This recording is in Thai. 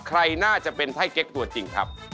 ใครน่าจะเป็นไพ่เก๊กตัวจริงครับ